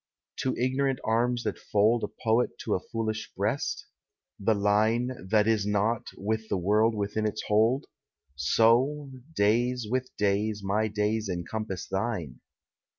To ignorant arms that fold A poet to a foolish breast? The Line, That is not, with the world within its hold? So, days with days, my days encompass thine.